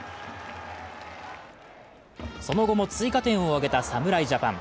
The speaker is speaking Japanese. その後も追加点を挙げた侍ジャパン。